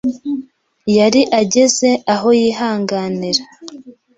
Yari ageze aho yihanganira.